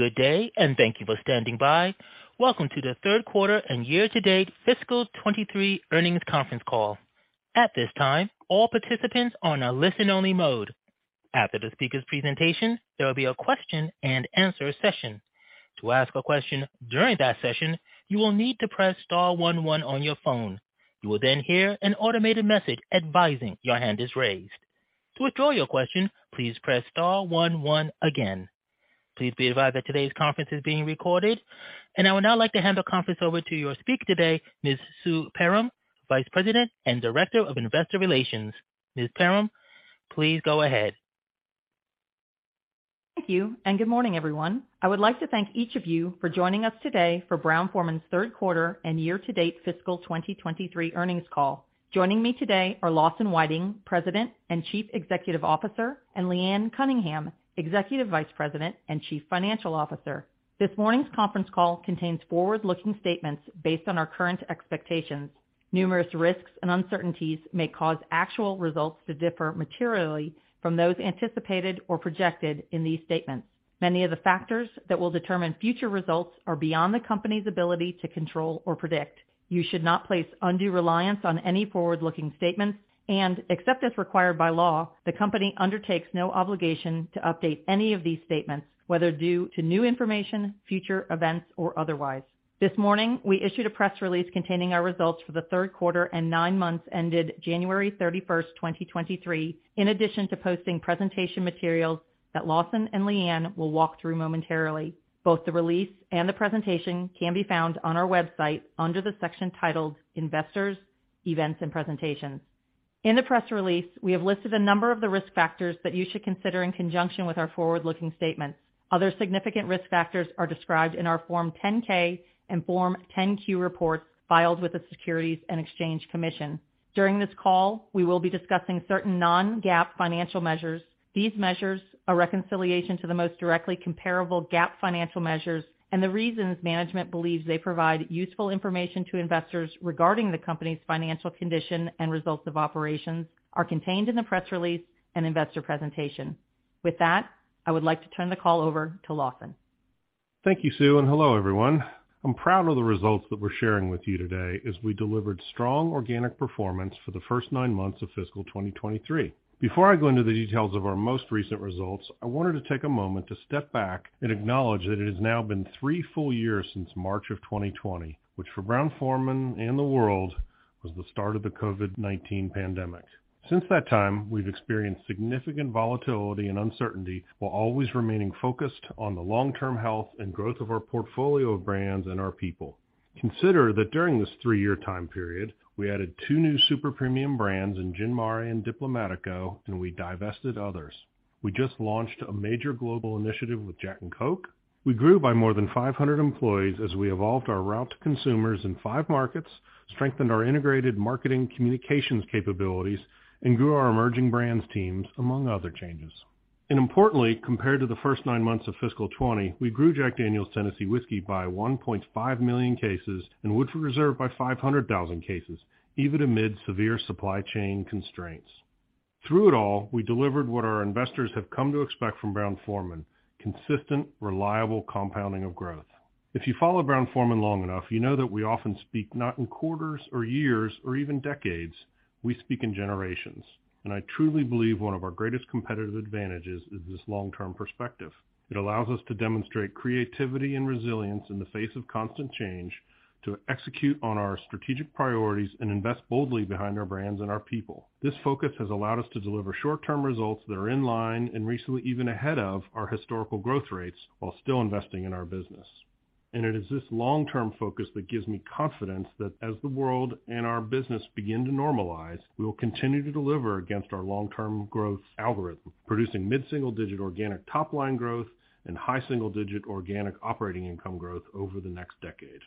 Good day, thank you for standing by. Welcome to the Third Quarter and Year-To-Date Fiscal 2023 Earnings Conference Call. At this time, all participants are on a listen only mode. After the speaker's presentation, there will be a question and answer session. To ask a question during that session, you will need to press star one one on your phone. You will hear an automated message advising your hand is raised. To withdraw your question, please press star one one again. Please be advised that today's conference is being recorded. I would now like to hand the conference over to your speaker today, Ms. Sue Perram, Vice President and Director of Investor Relations. Ms. Perram, please go ahead. Thank you, good morning, everyone. I would like to thank each of you for joining us today for Brown-Forman's Third Quarter and Year-To-Date Fiscal 2023 Earnings Call. Joining me today are Lawson Whiting, President and Chief Executive Officer, and Leanne Cunningham, Executive Vice President and Chief Financial Officer. This morning's conference call contains forward-looking statements based on our current expectations. Numerous risks and uncertainties may cause actual results to differ materially from those anticipated or projected in these statements. Many of the factors that will determine future results are beyond the company's ability to control or predict. You should not place undue reliance on any forward-looking statements, except as required by law, the company undertakes no obligation to update any of these statements, whether due to new information, future events, or otherwise. This morning, we issued a press release containing our results for the third quarter and nine months ended January 31st, 2023, in addition to posting presentation materials that Lawson and Leanne will walk through momentarily. Both the release and the presentation can be found on our website under the section titled Investors Events and Presentations. In the press release, we have listed a number of the risk factors that you should consider in conjunction with our forward-looking statements. Other significant risk factors are described in our Form 10-K and Form 10-Q reports filed with the Securities and Exchange Commission. During this call, we will be discussing certain non-GAAP financial measures. These measures are reconciliation to the most directly comparable GAAP financial measures and the reasons management believes they provide useful information to investors regarding the company's financial condition and results of operations are contained in the press release and investor presentation. With that, I would like to turn the call over to Lawson. Thank you, Sue, and hello, everyone. I'm proud of the results that we're sharing with you today as we delivered strong organic performance for the first nine months of fiscal 2023. Before I go into the details of our most recent results, I wanted to take a moment to step back and acknowledge that it has now been three full years since March of 2020, which for Brown-Forman and the world was the start of the COVID-19 pandemic. Since that time, we've experienced significant volatility and uncertainty while always remaining focused on the long-term health and growth of our portfolio of brands and our people. Consider that during this three-year time period, we added two new super premium brands in Gin Mare and Diplomático, and we divested others. We just launched a major global initiative with Jack and Coke. We grew by more than 500 employees as we evolved our route to consumers in five markets, strengthened our integrated marketing communications capabilities, and grew our emerging brands teams, among other changes. Importantly, compared to the first nine months of fiscal 2020, we grew Jack Daniel's Tennessee Whiskey by 1.5 million cases and Woodford Reserve by 500,000 cases, even amid severe supply chain constraints. Through it all, we delivered what our investors have come to expect from Brown-Forman: consistent, reliable compounding of growth. If you follow Brown-Forman long enough, you know that we often speak not in quarters or years or even decades. We speak in generations. I truly believe one of our greatest competitive advantages is this long-term perspective. It allows us to demonstrate creativity and resilience in the face of constant change, to execute on our strategic priorities and invest boldly behind our brands and our people. This focus has allowed us to deliver short-term results that are in line and recently even ahead of our historical growth rates while still investing in our business. It is this long-term focus that gives me confidence that as the world and our business begin to normalize, we will continue to deliver against our long-term growth algorithm, producing mid-single-digit organic top line growth and high single-digit organic operating income growth over the next decade.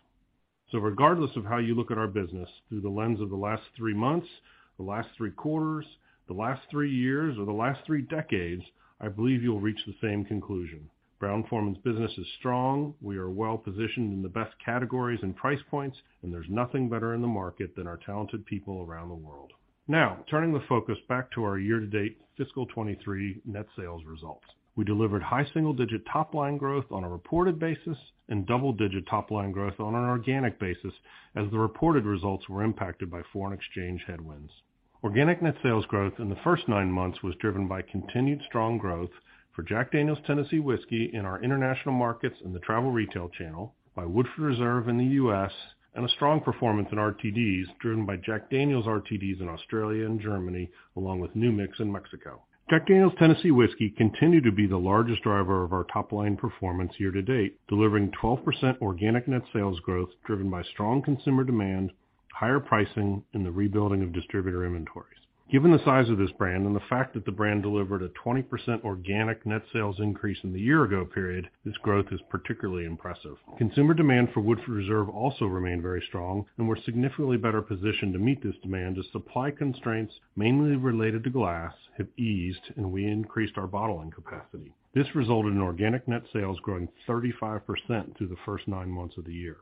Regardless of how you look at our business through the lens of the last three months, the last three quarters, the last three years or the last three decades, I believe you'll reach the same conclusion. Brown-Forman's business is strong. We are well-positioned in the best categories and price points, and there's nothing better in the market than our talented people around the world. Now, turning the focus back to our year-to-date fiscal 2023 net sales results. We delivered high single-digit top line growth on a reported basis and double-digit top line growth on an organic basis as the reported results were impacted by foreign exchange headwinds. Organic net sales growth in the first nine months was driven by continued strong growth for Jack Daniel's Tennessee Whiskey in our international markets in the travel retail channel, by Woodford Reserve in the U.S., and a strong performance in RTDs, driven by Jack Daniel's RTDs in Australia and Germany, along with New Mix in Mexico. Jack Daniel's Tennessee Whiskey continued to be the largest driver of our top line performance year-to-date, delivering 12% organic net sales growth, driven by strong consumer demand, higher pricing in the rebuilding of distributor inventories. Given the size of this brand and the fact that the brand delivered a 20% organic net sales increase in the year ago period, this growth is particularly impressive. Consumer demand for Woodford Reserve also remained very strong and we're significantly better positioned to meet this demand as supply constraints, mainly related to glass, have eased and we increased our bottling capacity. This resulted in organic net sales growing 35% through the first nine months of the year.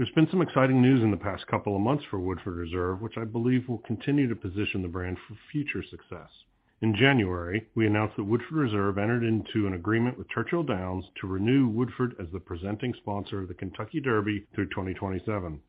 There's been some exciting news in the past couple of months for Woodford Reserve, which I believe will continue to position the brand for future success. In January, we announced that Woodford Reserve entered into an agreement with Churchill Downs to renew Woodford as the presenting sponsor of the Kentucky Derby through 2027.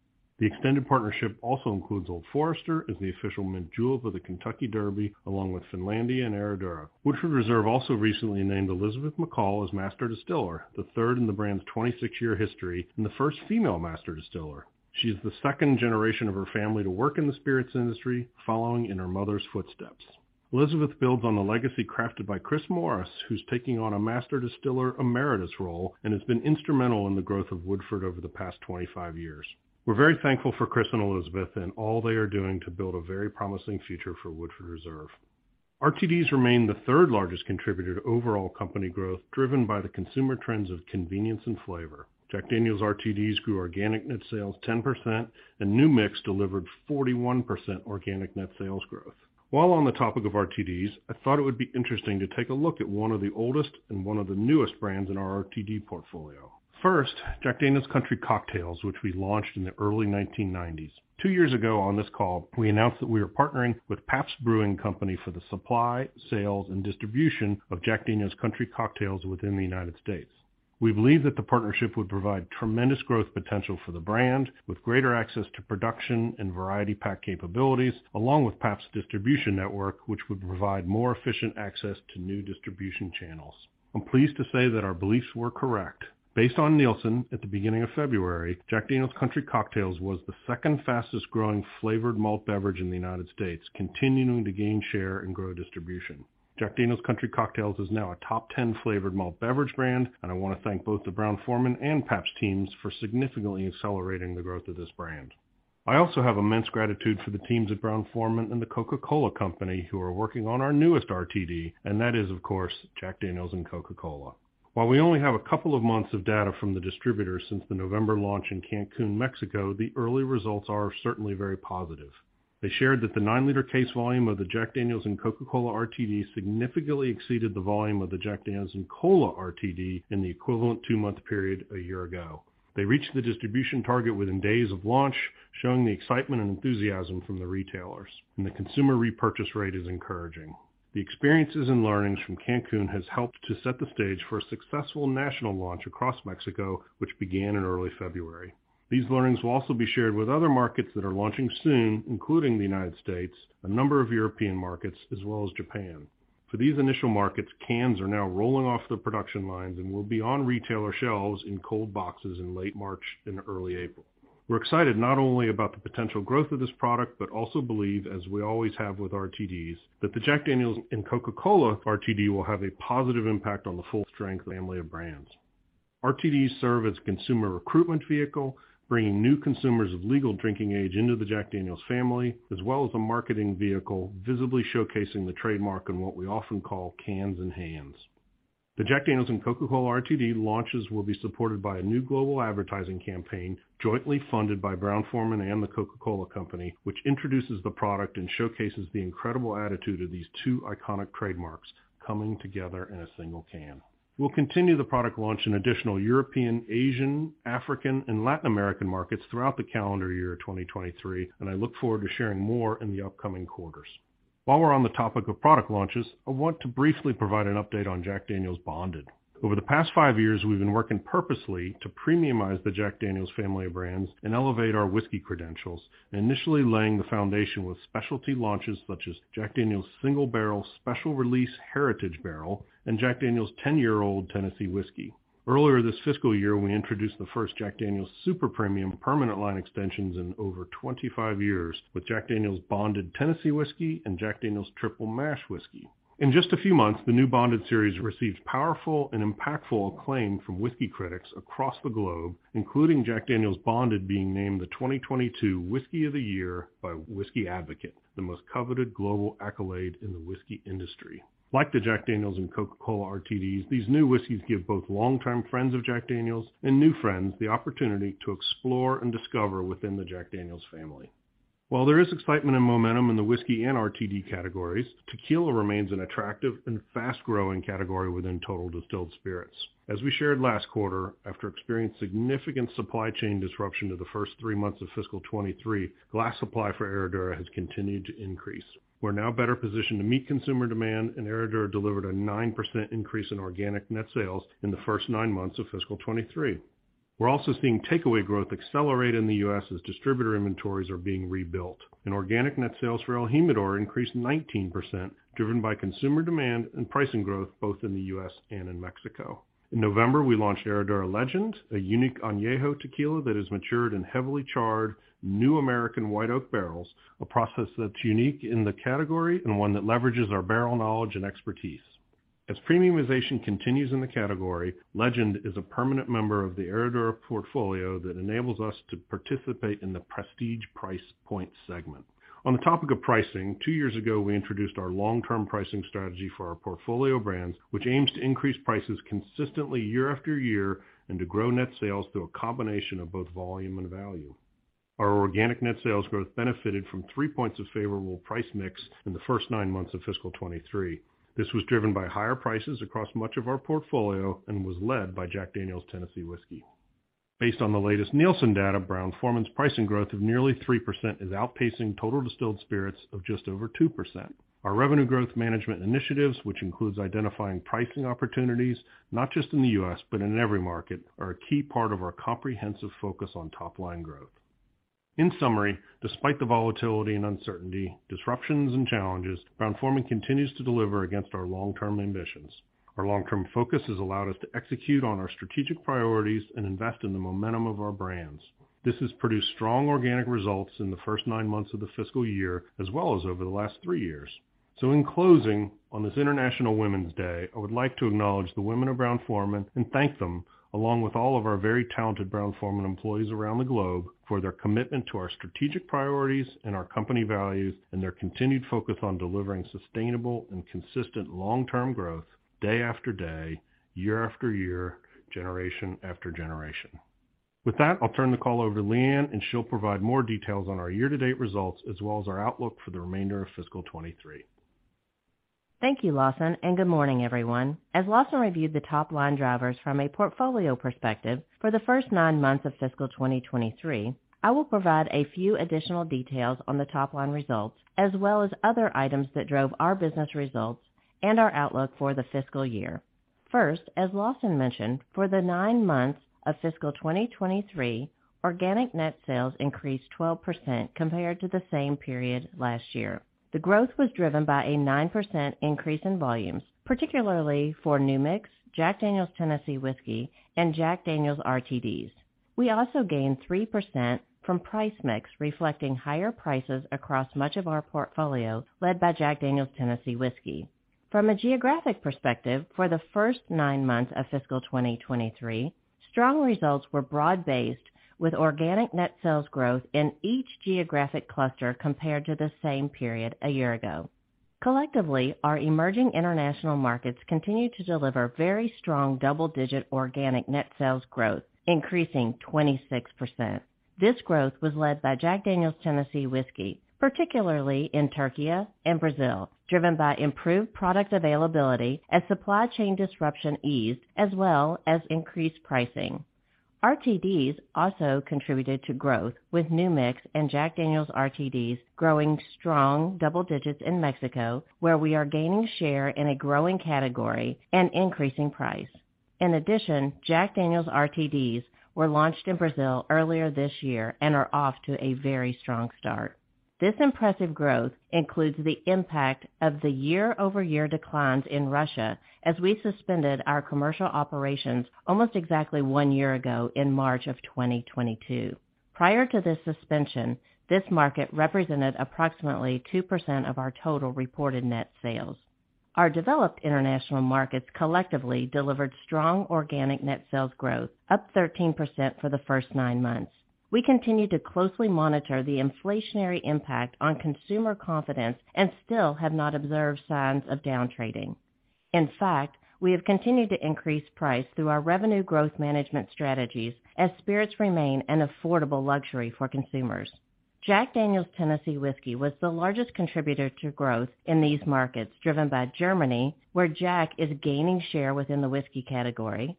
The extended partnership also includes Old Forester as the official mint julep of the Kentucky Derby, along with Finlandia and Herradura. Woodford Reserve also recently named Elizabeth McCall as Master Distiller, the third in the brand's 26-year history, and the first female master distiller. She's the second generation of her family to work in the spirits industry, following in her mother's footsteps. Elizabeth builds on the legacy crafted by Chris Morris, who's taking on a Master Distiller Emeritus role, and has been instrumental in the growth of Woodford over the past 25 years. We're very thankful for Chris and Elizabeth, and all they are doing to build a very promising future for Woodford Reserve. RTDs remain the third-largest contributor to overall company growth, driven by the consumer trends of convenience and flavor. Jack Daniel's RTDs grew organic net sales 10%, and New Mix delivered 41% organic net sales growth. While on the topic of RTDs, I thought it would be interesting to take a look at one of the oldest and one of the newest brands in our RTD portfolio. First, Jack Daniel's Country Cocktails, which we launched in the early 1990s. Two years ago on this call, we announced that we were partnering with Pabst Brewing Company for the supply, sales, and distribution of Jack Daniel's Country Cocktails within the United States. We believe that the partnership would provide tremendous growth potential for the brand with greater access to production and variety pack capabilities, along with Pabst distribution network, which would provide more efficient access to new distribution channels. I'm pleased to say that our beliefs were correct. Based on Nielsen, at the beginning of February, Jack Daniel's Country Cocktails was the second fastest-growing flavored malt beverage in the United States, continuing to gain share and grow distribution. Jack Daniel's Country Cocktails is now a top 10 flavored malt beverage brand, and I wanna thank both the Brown-Forman and Pabst teams for significantly accelerating the growth of this brand. I also have immense gratitude for the teams at Brown-Forman and The Coca-Cola Company who are working on our newest RTD, and that is, of course, Jack Daniel's and Coca-Cola. While we only have a couple of months of data from the distributors since the November launch in Cancún, Mexico, the early results are certainly very positive. They shared that the 9 L case volume of the Jack Daniel's & Coca-Cola RTD significantly exceeded the volume of the Jack Daniel's & Cola RTD in the equivalent two-month period a year ago. They reached the distribution target within days of launch, showing the excitement and enthusiasm from the retailers, and the consumer repurchase rate is encouraging. The experiences and learnings from Cancún has helped to set the stage for a successful national launch across Mexico, which began in early February. These learnings will also be shared with other markets that are launching soon, including the United States, a number of European markets, as well as Japan. For these initial markets, cans are now rolling off the production lines and will be on retailer shelves in cold boxes in late March and early April. We're excited not only about the potential growth of this product, but also believe, as we always have with RTDs, that the Jack Daniel's and Coca-Cola RTD will have a positive impact on the full-strength family of brands. RTDs serve as a consumer recruitment vehicle, bringing new consumers of legal drinking age into the Jack Daniel's family, as well as a marketing vehicle, visibly showcasing the trademark and what we often call cans in hands. The Jack Daniel's and Coca-Cola RTD launches will be supported by a new global advertising campaign jointly funded by Brown-Forman and The Coca-Cola Company, which introduces the product and showcases the incredible attitude of these two iconic trademarks coming together in a single can. We'll continue the product launch in additional European, Asian, African, and Latin American markets throughout the calendar year of 2023, and I look forward to sharing more in the upcoming quarters. While we're on the topic of product launches, I want to briefly provide an update on Jack Daniel's Bonded. Over the past five years, we've been working purposely to premiumize the Jack Daniel's family of brands and elevate our whiskey credentials, initially laying the foundation with specialty launches such as Jack Daniel's Single Barrel Special Release Heritage Barrel and Jack Daniel's 10-Year-Old Tennessee Whiskey. Earlier this fiscal year, we introduced the first Jack Daniel's super premium permanent line extensions in over 25 years with Jack Daniel's Bonded Tennessee Whiskey and Jack Daniel's Triple Mash Whiskey. In just a few months, the new Bonded series received powerful and impactful acclaim from whiskey critics across the globe, including Jack Daniel's Bonded being named the 2022 Whisky of the Year by Whisky Advocate, the most coveted global accolade in the whiskey industry. Like the Jack Daniel's & Coca-Cola RTDs, these new whiskeys give both long-term friends of Jack Daniel's and new friends the opportunity to explore and discover within the Jack Daniel's family. While there is excitement and momentum in the whiskey and RTD categories, tequila remains an attractive and fast-growing category within total distilled spirits. As we shared last quarter, after experiencing significant supply chain disruption to the first three months of fiscal 2023, glass supply for Herradura has continued to increase. We're now better positioned to meet consumer demand. Herradura delivered a 9% increase in organic net sales in the first nine months of fiscal 2023. We're also seeing takeaway growth accelerate in the U.S. as distributor inventories are being rebuilt. Organic net sales for el Jimador increased 19%, driven by consumer demand and pricing growth, both in the U.S. and in Mexico. In November, we launched Herradura Legend, a unique añejo tequila that has matured in heavily charred new American white oak barrels, a process that's unique in the category, and one that leverages our barrel knowledge and expertise. As premiumization continues in the category, Legend is a permanent member of the Herradura portfolio that enables us to participate in the prestige price point segment. On the topic of pricing, two years ago, we introduced our long-term pricing strategy for our portfolio brands, which aims to increase prices consistently year after year and to grow net sales through a combination of both volume and value. Our organic net sales growth benefited from 3 points of favorable price mix in the first nine months of fiscal 2023. This was driven by higher prices across much of our portfolio and was led by Jack Daniel's Tennessee Whiskey. Based on the latest Nielsen data, Brown-Forman's pricing growth of nearly 3% is outpacing total distilled spirits of just over 2%. Our revenue growth management initiatives, which includes identifying pricing opportunities, not just in the U.S., but in every market, are a key part of our comprehensive focus on top-line growth. In summary, despite the volatility and uncertainty, disruptions and challenges, Brown-Forman continues to deliver against our long-term ambitions. Our long-term focus has allowed us to execute on our strategic priorities and invest in the momentum of our brands. This has produced strong organic results in the first nine months of the fiscal year, as well as over the last three years. In closing, on this International Women's Day, I would like to acknowledge the women of Brown-Forman and thank them, along with all of our very talented Brown-Forman employees around the globe, for their commitment to our strategic priorities and our company values and their continued focus on delivering sustainable and consistent long-term growth day after day, year after year, generation after generation. That, I'll turn the call over to Leanne, and she'll provide more details on our year-to-date results as well as our outlook for the remainder of fiscal 2023. Thank you, Lawson. Good morning, everyone. As Lawson reviewed the top-line drivers from a portfolio perspective for the first nine months of fiscal 2023, I will provide a few additional details on the top-line results, as well as other items that drove our business results and our outlook for the fiscal year. First, as Lawson mentioned, for the nine months of fiscal 2023, organic net sales increased 12% compared to the same period last year. The growth was driven by a 9% increase in volumes, particularly for New Mix, Jack Daniel's Tennessee Whiskey and Jack Daniel's RTDs. We also gained 3% from price mix, reflecting higher prices across much of our portfolio, led by Jack Daniel's Tennessee Whiskey. From a geographic perspective, for the first nine months of fiscal 2023, strong results were broad-based, with organic net sales growth in each geographic cluster compared to the same period a year ago. Collectively, our emerging international markets continued to deliver very strong double-digit organic net sales growth, increasing 26%. This growth was led by Jack Daniel's Tennessee Whiskey, particularly in Türkiye and Brazil, driven by improved product availability as supply chain disruption eased as well as increased pricing. RTDs also contributed to growth with New Mix and Jack Daniel's RTDs growing strong double digits in Mexico, where we are gaining share in a growing category and increasing price. In addition, Jack Daniel's RTDs were launched in Brazil earlier this year and are off to a very strong start. This impressive growth includes the impact of the year-over-year declines in Russia as we suspended our commercial operations almost exactly one year ago in March of 2022. Prior to this suspension, this market represented approximately 2% of our total reported net sales. Our developed international markets collectively delivered strong organic net sales growth, up 13% for the first nine months. We continue to closely monitor the inflationary impact on consumer confidence and still have not observed signs of downtrading. In fact, we have continued to increase price through our revenue growth management strategies as spirits remain an affordable luxury for consumers. Jack Daniel's Tennessee Whiskey was the largest contributor to growth in these markets, driven by Germany, where Jack is gaining share within the whiskey category,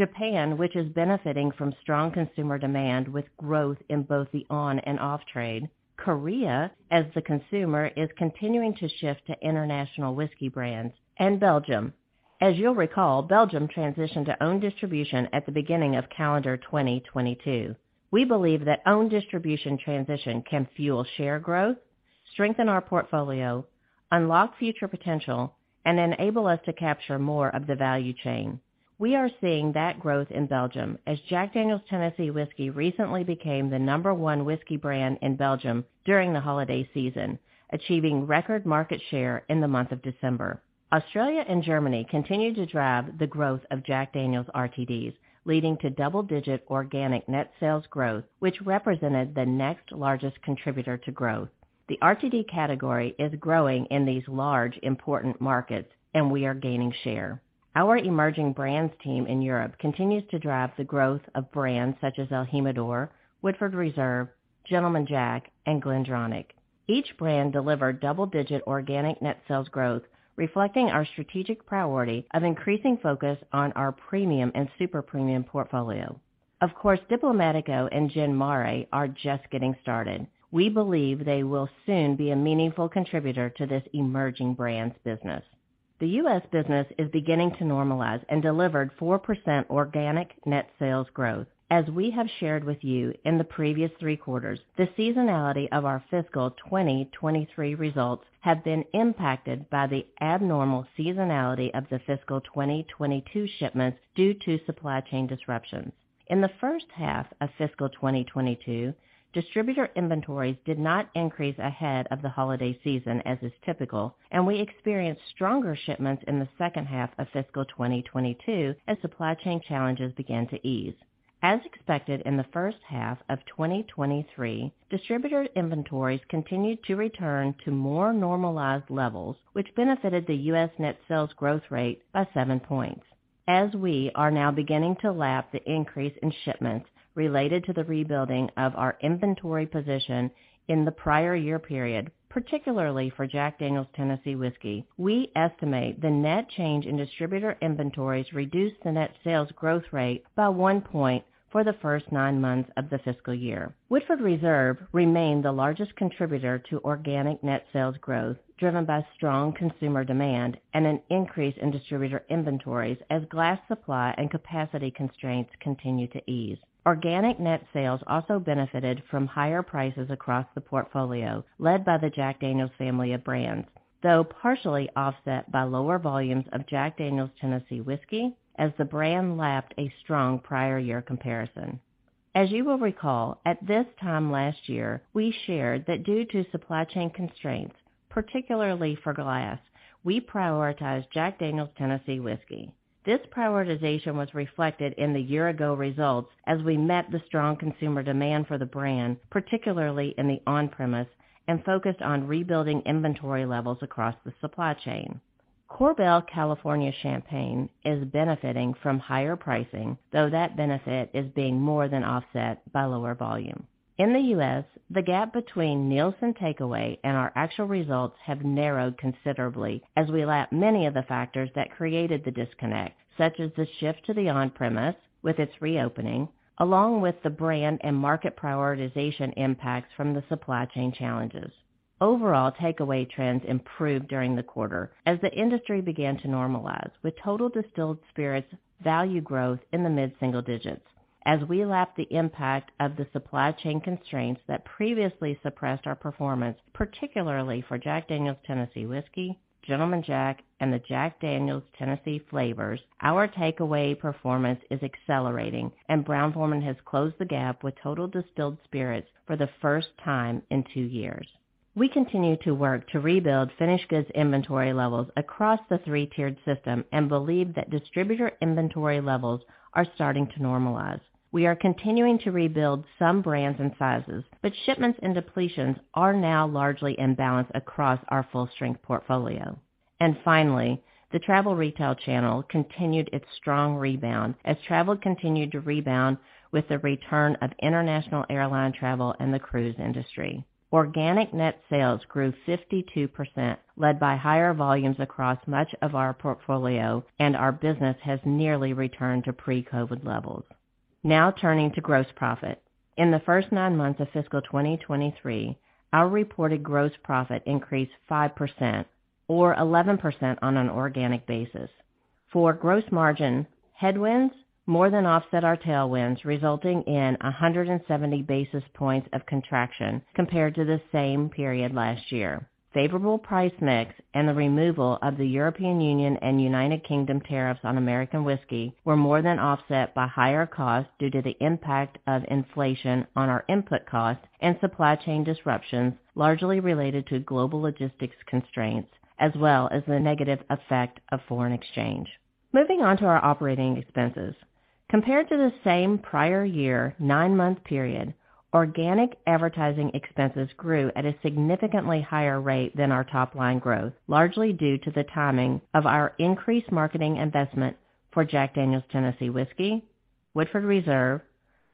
Japan, which is benefiting from strong consumer demand with growth in both the on and off trade, Korea, as the consumer is continuing to shift to international whiskey brands, and Belgium. As you'll recall, Belgium transitioned to own distribution at the beginning of calendar 2022. We believe that own distribution transition can fuel share growth, strengthen our portfolio, unlock future potential, and enable us to capture more of the value chain. We are seeing that growth in Belgium as Jack Daniel's Tennessee Whiskey recently became the number one whiskey brand in Belgium during the holiday season, achieving record market share in the month of December. Australia and Germany continue to drive the growth of Jack Daniel's RTDs, leading to double-digit organic net sales growth, which represented the next largest contributor to growth. The RTD category is growing in these large, important markets, and we are gaining share. Our emerging brands team in Europe continues to drive the growth of brands such as el Jimador, Woodford Reserve, Gentleman Jack, and Glendronach. Each brand delivered double-digit organic net sales growth, reflecting our strategic priority of increasing focus on our premium and super premium portfolio. Of course, Diplomático and Gin Mare are just getting started. We believe they will soon be a meaningful contributor to this emerging brands business. The U.S. business is beginning to normalize and delivered 4% organic net sales growth. As we have shared with you in the previous three quarters, the seasonality of our fiscal 2023 results have been impacted by the abnormal seasonality of the fiscal 2022 shipments due to supply chain disruptions. In the first half of fiscal 2022, distributor inventories did not increase ahead of the holiday season, as is typical, and we experienced stronger shipments in the second half of fiscal 2022 as supply chain challenges began to ease. As expected in the first half of 2023, distributor inventories continued to return to more normalized levels, which benefited the U.S. net sales growth rate by 7 points. As we are now beginning to lap the increase in shipments related to the rebuilding of our inventory position in the prior year period, particularly for Jack Daniel's Tennessee Whiskey, we estimate the net change in distributor inventories reduced the net sales growth rate by 1 point for the first nine months of the fiscal year. Woodford Reserve remained the largest contributor to organic net sales growth, driven by strong consumer demand and an increase in distributor inventories as glass supply and capacity constraints continue to ease. Organic net sales also benefited from higher prices across the portfolio, led by the Jack Daniel's family of brands, though partially offset by lower volumes of Jack Daniel's Tennessee Whiskey as the brand lapped a strong prior year comparison. As you will recall, at this time last year, we shared that due to supply chain constraints, particularly for glass, we prioritized Jack Daniel's Tennessee Whiskey. This prioritization was reflected in the year-ago results as we met the strong consumer demand for the brand, particularly in the on-premise, and focused on rebuilding inventory levels across the supply chain. Korbel California Champagne is benefiting from higher pricing, though that benefit is being more than offset by lower volume. In the U.S., the gap between Nielsen takeaway and our actual results have narrowed considerably as we lap many of the factors that created the disconnect, such as the shift to the on-premise with its reopening, along with the brand and market prioritization impacts from the supply chain challenges. Overall, takeaway trends improved during the quarter as the industry began to normalize, with total distilled spirits value growth in the mid-single digits. As we lap the impact of the supply chain constraints that previously suppressed our performance, particularly for Jack Daniel's Tennessee Whiskey, Gentleman Jack, and the Jack Daniel's Tennessee flavors, our takeaway performance is accelerating, and Brown-Forman has closed the gap with total distilled spirits for the first time in two years. We continue to work to rebuild finished goods inventory levels across the three-tier system and believe that distributor inventory levels are starting to normalize. We are continuing to rebuild some brands and sizes, but shipments and depletions are now largely in balance across our full-strength portfolio. Finally, the travel retail channel continued its strong rebound as travel continued to rebound with the return of international airline travel and the cruise industry. Organic net sales grew 52%, led by higher volumes across much of our portfolio, and our business has nearly returned to pre-COVID-19 levels. Now turning to gross profit. In the first nine months of fiscal 2023, our reported gross profit increased 5% or 11% on an organic basis. For gross margin, headwinds more than offset our tailwinds, resulting in 170 basis points of contraction compared to the same period last year. Favorable price mix and the removal of the European Union and United Kingdom tariffs on American whiskey were more than offset by higher costs due to the impact of inflation on our input costs and supply chain disruptions, largely related to global logistics constraints, as well as the negative effect of foreign exchange. Moving on to our operating expenses. Compared to the same prior year nine-month period, organic advertising expenses grew at a significantly higher rate than our top-line growth, largely due to the timing of our increased marketing investment for Jack Daniel's Tennessee Whiskey, Woodford Reserve,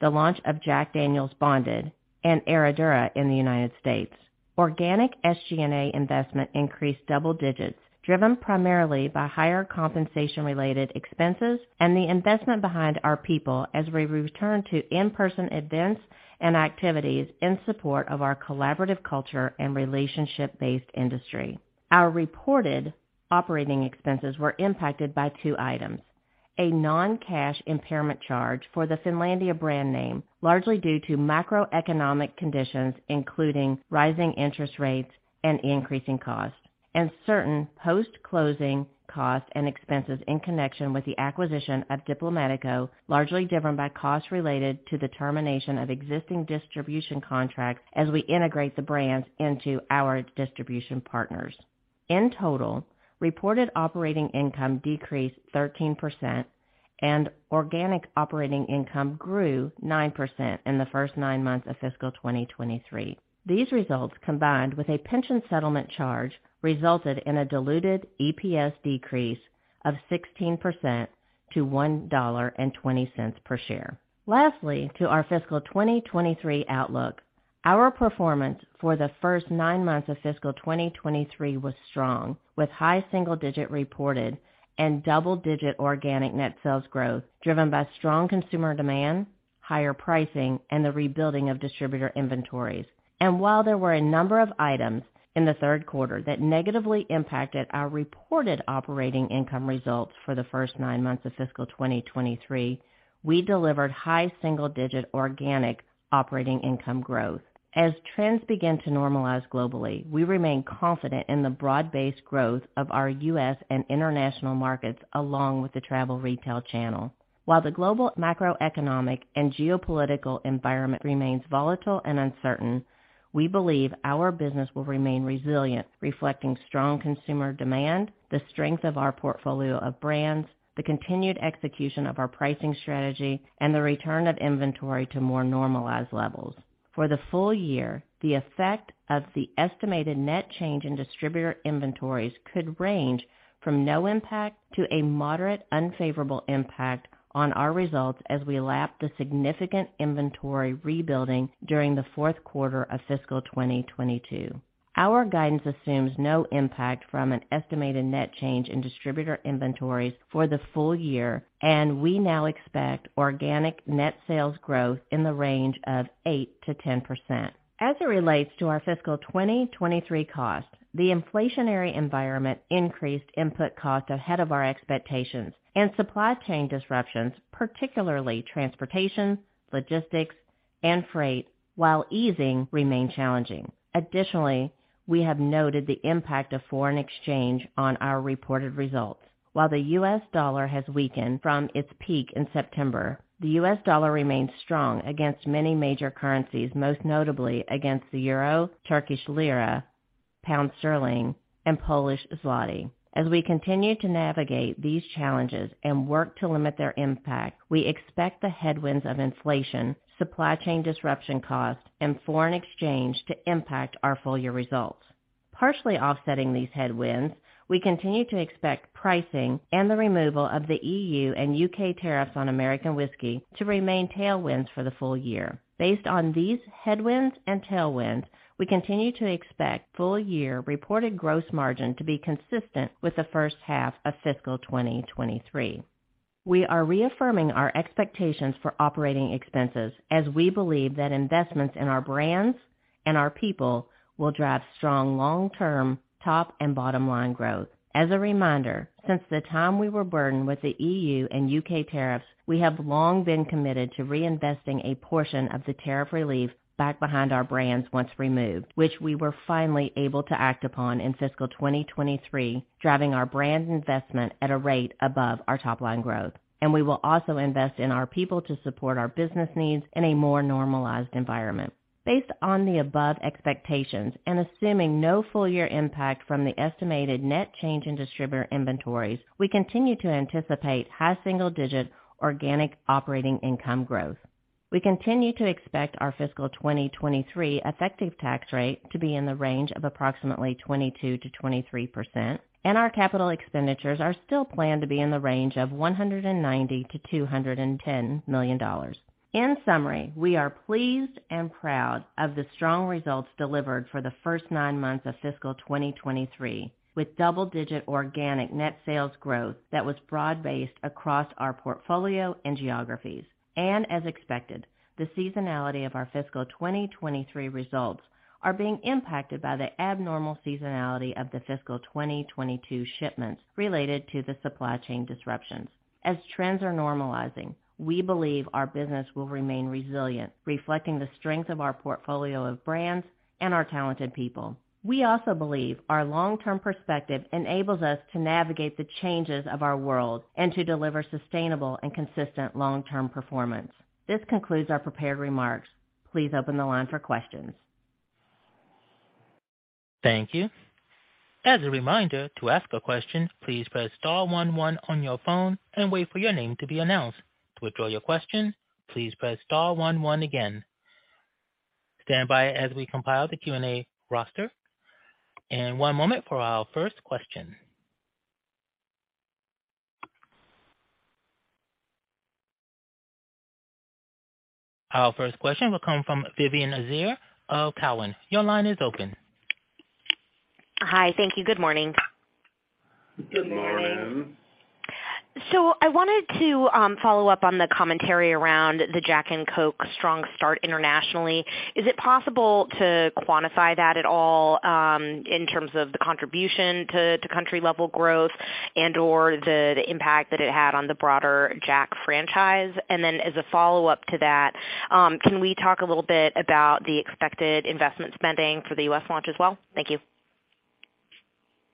the launch of Jack Daniel's Bonded, and Herradura in the United States. Organic SG&A investment increased double digits, driven primarily by higher compensation-related expenses and the investment behind our people as we return to in-person events and activities in support of our collaborative culture and relationship-based industry. Our reported operating expenses were impacted by two items: A non-cash impairment charge for the Finlandia brand name, largely due to macroeconomic conditions, including rising interest rates and increasing costs, and certain post-closing costs and expenses in connection with the acquisition of Diplomático, largely driven by costs related to the termination of existing distribution contracts as we integrate the brands into our distribution partners. In total, reported operating income decreased 13% and organic operating income grew 9% in the first nine months of fiscal 2023. These results, combined with a pension settlement charge, resulted in a diluted EPS decrease of 16% to $1.20 per share. Lastly, to our fiscal 2023 outlook. Our performance for the first nine months of fiscal 2023 was strong, with high single-digit reported and double-digit organic net sales growth driven by strong consumer demand, higher pricing, and the rebuilding of distributor inventories. While there were a number of items in the third quarter that negatively impacted our reported operating income results for the first nine months of fiscal 2023, we delivered high single-digit organic operating income growth. As trends begin to normalize globally, we remain confident in the broad-based growth of our U.S. and international markets, along with the travel retail channel. While the global macroeconomic and geopolitical environment remains volatile and uncertain, we believe our business will remain resilient, reflecting strong consumer demand, the strength of our portfolio of brands, the continued execution of our pricing strategy, and the return of inventory to more normalized levels. For the full year, the effect of the estimated net change in distributor inventories could range from no impact to a moderate unfavorable impact on our results as we lap the significant inventory rebuilding during the fourth quarter of fiscal 2022. Our guidance assumes no impact from an estimated net change in distributor inventories for the full year, and we now expect organic net sales growth in the range of 8%-10%. As it relates to our fiscal 2023 costs, the inflationary environment increased input costs ahead of our expectations and supply chain disruptions, particularly transportation, logistics and freight, while easing remains challenging. We have noted the impact of foreign exchange on our reported results. The U.S. dollar has weakened from its peak in September, the U.S. dollar remains strong against many major currencies, most notably against the euro, Turkish lira, pound sterling, and Polish zloty. We continue to navigate these challenges and work to limit their impact, we expect the headwinds of inflation, supply chain disruption cost, and foreign exchange to impact our full year results. Partially offsetting these headwinds, we continue to expect pricing and the removal of the E.U. and U.K. tariffs on American whiskey to remain tailwinds for the full year. Based on these headwinds and tailwinds, we continue to expect full year reported gross margin to be consistent with the first half of fiscal 2023. We are reaffirming our expectations for operating expenses as we believe that investments in our brands and our people will drive strong long-term top and bottom line growth. As a reminder, since the time we were burdened with the E.U. and U.K. tariffs, we have long been committed to reinvesting a portion of the tariff relief back behind our brands once removed, which we were finally able to act upon in fiscal 2023, driving our brand investment at a rate above our top line growth. We will also invest in our people to support our business needs in a more normalized environment. Based on the above expectations and assuming no full year impact from the estimated net change in distributor inventories, we continue to anticipate high single-digit organic operating income growth. We continue to expect our fiscal 2023 effective tax rate to be in the range of approximately 22%-23%, and our capital expenditures are still planned to be in the range of $190 million-$210 million. In summary, we are pleased and proud of the strong results delivered for the first nine months of fiscal 2023, with double-digit organic net sales growth that was broad-based across our portfolio and geographies. As expected, the seasonality of our fiscal 2023 results are being impacted by the abnormal seasonality of the fiscal 2022 shipments related to the supply chain disruptions. As trends are normalizing, we believe our business will remain resilient, reflecting the strength of our portfolio of brands and our talented people. We also believe our long-term perspective enables us to navigate the changes of our world and to deliver sustainable and consistent long-term performance. This concludes our prepared remarks. Please open the line for questions. Thank you. As a reminder, to ask a question, please press star one one on your phone and wait for your name to be announced. To withdraw your question, please press star one one again. Stand by as we compile the Q&A roster. One moment for our first question. Our first question will come from Vivien Azer of Cowen. Your line is open. Hi. Thank you. Good morning. So I wanted to follow up on the commentary around the Jack Daniel's & Coca-Cola strong start internationally. Is it possible to quantify that at all in terms of the contribution to country level growth and or the impact that it had on the broader Jack Daniel's franchise? As a follow-up to that, can we talk a little bit about the expected investment spending for the U.S. launch as well? Thank you.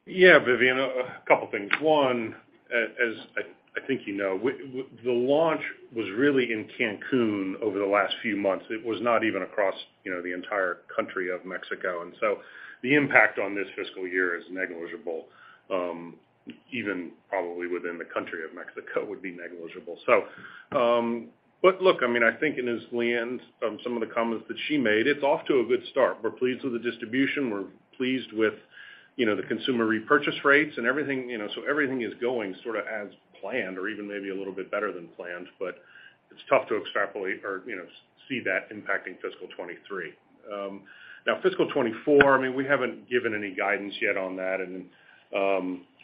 Yeah, Vivien, a couple of things. One, as I think you know, the launch was really in Cancún over the last few months. It was not even across, you know, the entire country of Mexico. The impact on this fiscal year is negligible. Even probably within the country of Mexico would be negligible. Look, I mean, I think as Leanne some of the comments that she made, it's off to a good start. We're pleased with the distribution. We're pleased with, you know, the consumer repurchase rates and everything, you know. Everything is going sort of as planned or even maybe a little bit better than planned. It's tough to extrapolate or, you know, see that impacting fiscal 2023. Now fiscal 2024, I mean, we haven't given any guidance yet on that.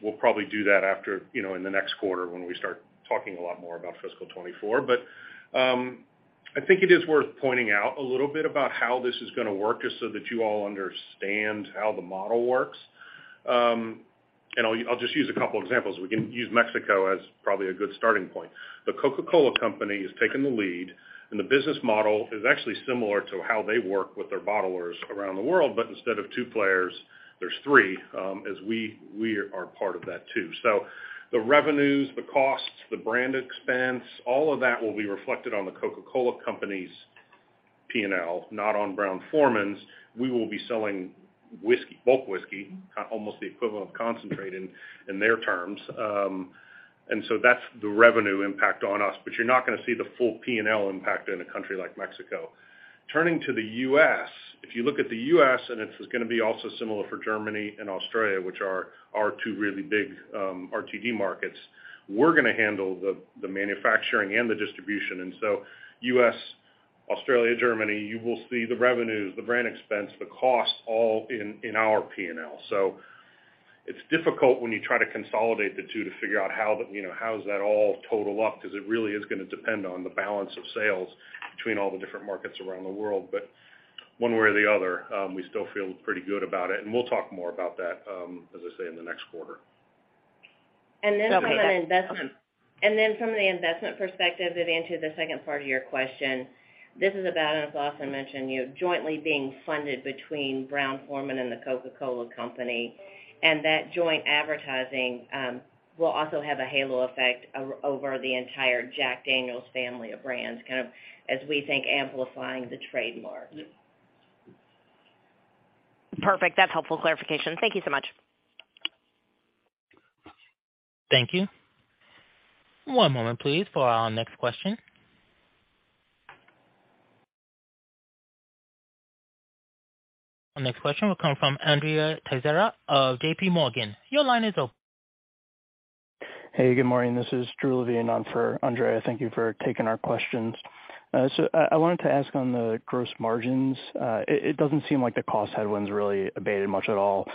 We'll probably do that after, you know, in the next quarter when we start talking a lot more about fiscal 2024. I think it is worth pointing out a little bit about how this is gonna work, just so that you all understand how the model works. I'll just use a couple examples. We can use Mexico as probably a good starting point. The Coca-Cola Company has taken the lead, the business model is actually similar to how they work with their bottlers around the world. Instead of two players, there's three, as we are part of that too. The revenues, the costs, the brand expense, all of that will be reflected on The Coca-Cola Company's P&L, not on Brown-Forman's. We will be selling whiskey, bulk whiskey, kind of almost the equivalent of concentrate in their terms. That's the revenue impact on us, but you're not gonna see the full P&L impact in a country like Mexico. Turning to the U.S., if you look at the U.S., and it's gonna be also similar for Germany and Australia, which are our two really big RTD markets. We're gonna handle the manufacturing and the distribution. U.S., Australia, Germany, you will see the revenues, the brand expense, the costs all in our P&L. It's difficult when you try to consolidate the two to figure out how the, you know, how does that all total up, 'cause it really is gonna depend on the balance of sales between all the different markets around the world. One way or the other, we still feel pretty good about it, and we'll talk more about that, as I say, in the next quarter. Then from the investment perspective, it answers the second part of your question. This is about, and as Lawson mentioned, you know, jointly being funded between Brown-Forman and The Coca-Cola Company. That joint advertising will also have a halo effect over the entire Jack Daniel's family of brands, kind of, as we think, amplifying the trademark. Yeah. Perfect. That's helpful clarification. Thank you so much. Thank you. One moment, please, for our next question. Our next question will come from Andrea Teixeira of JPMorgan. Your line is op- Hey, good morning. This is Drew Levine on for Andrea. Thank you for taking our questions. I wanted to ask on the gross margins. It doesn't seem like the cost headwinds really abated much at all,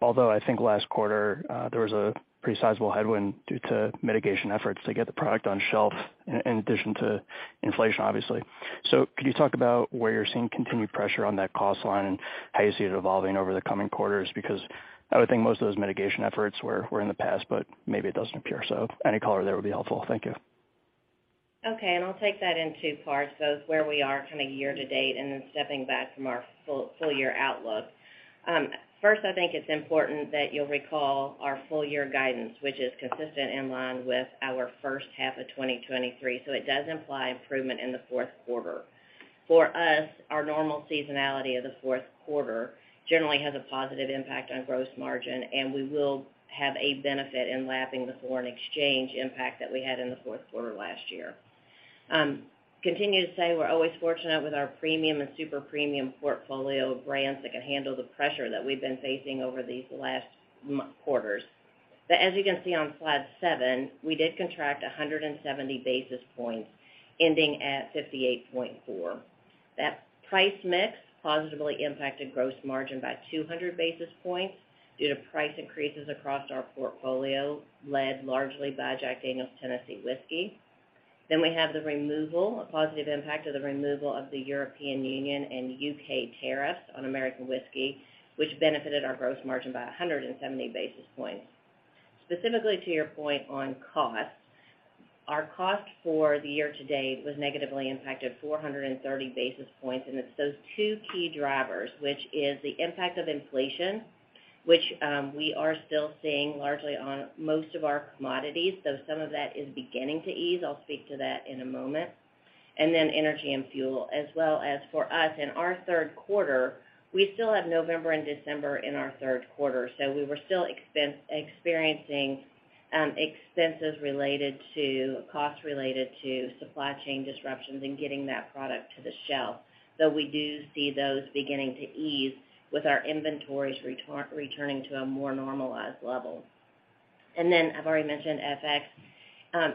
although I think last quarter, there was a pretty sizable headwind due to mitigation efforts to get the product on shelf in addition to inflation, obviously. Could you talk about where you're seeing continued pressure on that cost line and how you see it evolving over the coming quarters? Because I would think most of those mitigation efforts were in the past, but maybe it doesn't appear so. Any color there would be helpful. Thank you. Okay. I'll take that in two parts, both where we are kind of year to date, and then stepping back from our full year outlook. First, I think it's important that you'll recall our full year guidance, which is consistent in line with our first half of 2023, so it does imply improvement in the fourth quarter. For us, our normal seasonality of the fourth quarter generally has a positive impact on gross margin, and we will have a benefit in lapping the foreign exchange impact that we had in the fourth quarter last year. Continue to say, we're always fortunate with our premium and super premium portfolio of brands that can handle the pressure that we've been facing over these last quarters. As you can see on slide seven, we did contract 170 basis points ending at 58.4. That price mix positively impacted gross margin by 200 basis points due to price increases across our portfolio, led largely by Jack Daniel's Tennessee Whiskey. We have the removal, a positive impact of the removal of the European Union and U.K. tariffs on American whiskey, which benefited our gross margin by 170 basis points. Specifically to your point on costs, our cost for the year to date was negatively impacted 430 basis points, and it's those two key drivers, which is the impact of inflation, which we are still seeing largely on most of our commodities, though some of that is beginning to ease. I'll speak to that in a moment. Energy and fuel, as well as for us in our third quarter, we still have November and December in our third quarter, so we were still experiencing expenses related to, costs related to supply chain disruptions and getting that product to the shelf, though we do see those beginning to ease with our inventories returning to a more normalized level. I've already mentioned FX.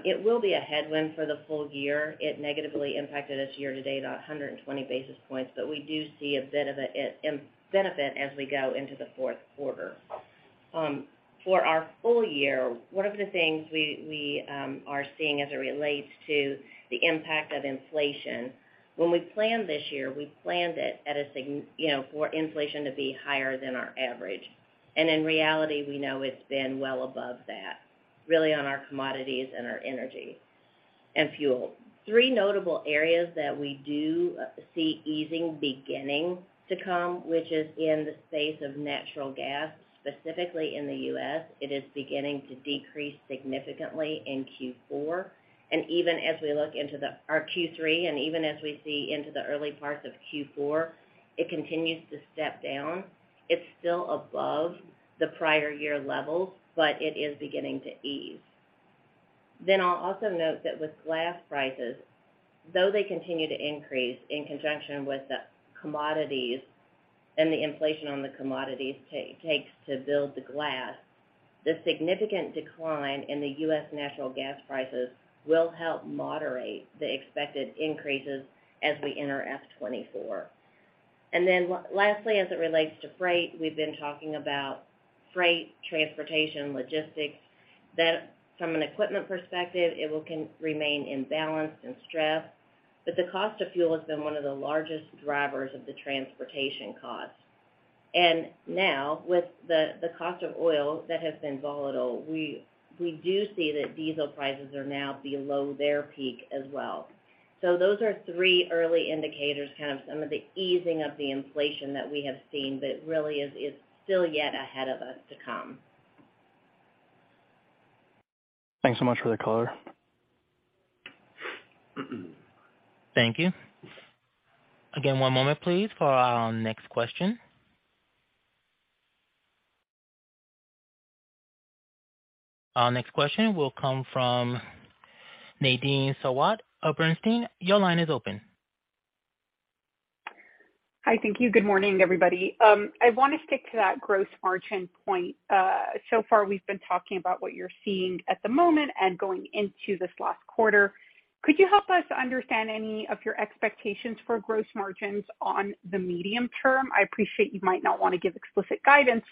It will be a headwind for the full year. It negatively impacted us year to date about 120 basis points, but we do see a bit of a benefit as we go into the fourth quarter. For our full year, one of the things we are seeing as it relates to the impact of inflation, when we planned this year, we planned it at a you know, for inflation to be higher than our average. In reality, we know it's been well above that, really on our commodities and our energy and fuel. Three notable areas that we do see easing beginning to come, which is in the space of natural gas, specifically in the U.S., it is beginning to decrease significantly in Q4. Even as we look into Our Q3, and even as we see into the early parts of Q4, it continues to step down. It's still above the prior year levels, but it is beginning to ease. I'll also note that with glass prices, though they continue to increase in conjunction with the commodities and the inflation on the commodities takes to build the glass, the significant decline in the U.S. natural gas prices will help moderate the expected increases as we enter F 2024. Lastly, as it relates to freight, we've been talking about freight, transportation, logistics, that from an equipment perspective, it will remain in balance and stress. The cost of fuel has been one of the largest drivers of the transportation costs. Now, with the cost of oil that has been volatile, we do see that diesel prices are now below their peak as well. Those are three early indicators, kind of some of the easing of the inflation that we have seen, but really is still yet ahead of us to come. Thanks so much for the color. Thank you. Again, one moment please for our next question. Our next question will come from Nadine Sarwat of Bernstein. Your line is open. Hi. Thank you. Good morning, everybody. I wanna stick to that gross margin point. So far we've been talking about what you're seeing at the moment and going into this last quarter. Could you help us understand any of your expectations for gross margins on the medium term? I appreciate you might not wanna give explicit guidance,